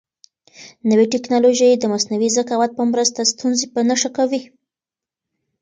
نوې تکنالوژي د مصنوعي ذکاوت په مرسته ستونزې په نښه کوي.